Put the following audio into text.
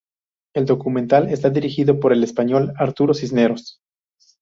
El documental está dirigido por el español Arturo Cisneros.